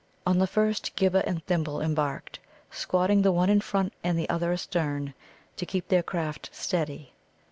On the first Ghibba and Thimble embarked, squatting the one in front and the other astern, to keep their craft steady.